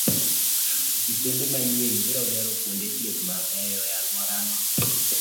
Osiptende manyien biro gero kuonde thieth mabeyo e alworano